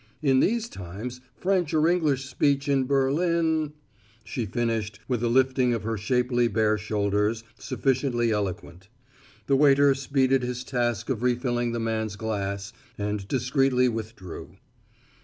"In these times French or English speech in Berlin " she finished, with a lifting of her shapely bare shoulders, sufficiently eloquent. The waiter speeded his task of refilling the man's glass and discreetly withdrew.